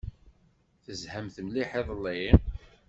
Tezhamt mliḥ iḍelli?